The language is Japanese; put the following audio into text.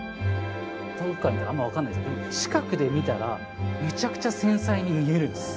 遠くから見たらあんま分かんない近くで見たらめちゃくちゃ繊細に見えるんです。